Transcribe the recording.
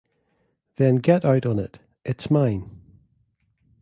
Then get out on it — it’s mine.